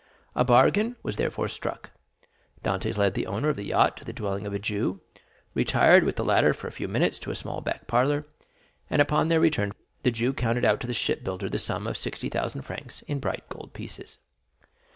A bargain was therefore struck. Dantès led the owner of the yacht to the dwelling of a Jew; retired with the latter for a few minutes to a small back parlor, and upon their return the Jew counted out to the shipbuilder the sum of sixty thousand francs in bright gold pieces.